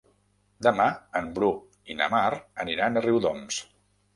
Demà en Bru i na Mar aniran a Riudoms.